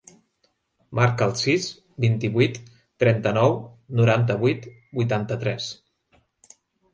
Marca el sis, vint-i-vuit, trenta-nou, noranta-vuit, vuitanta-tres.